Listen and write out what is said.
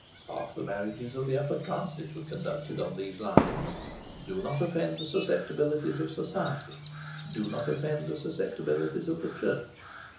Half the marriages of the upper classes were conducted on these lines: Do not offend the susceptibilities of Society; do not offend the susceptibilities of the Church.